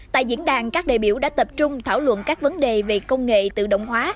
tại diễn đàn các đại biểu đã tập trung thảo luận các vấn đề về công nghệ tự động hóa